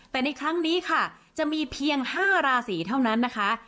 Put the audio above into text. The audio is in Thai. แต่ในครั้งนี้ค่ะจะมีเพียง๕ราศีเท่านั้นนะคะ